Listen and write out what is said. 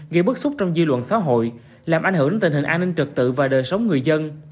gây bức xúc trong dư luận xã hội làm ảnh hưởng đến tình hình an ninh trực tự và đời sống người dân